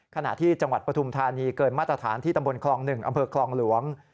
ขณะที่จังหวัดปฐุมธานีเกินมาตรฐานที่ตำบลคลอง๑อำเภอคลองหลวง